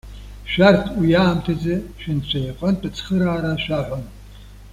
Шәарҭ уи аамҭазы шәынцәа иҟынтә ацхыраара шәаҳәон.